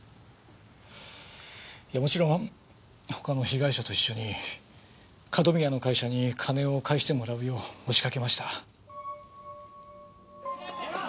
いやもちろん他の被害者と一緒に角宮の会社に金を返してもらうよう押しかけました。